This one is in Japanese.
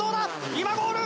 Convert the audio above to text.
今ゴール！